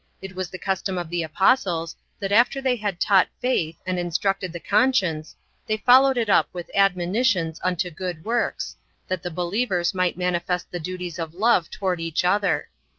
It was the custom of the apostles that after they had taught faith and instructed the conscience they followed it up with admonitions unto good works, that the believers might manifest the duties of love toward each other.